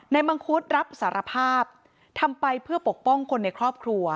มังคุดรับสารภาพทำไปเพื่อปกป้องคนในครอบครัว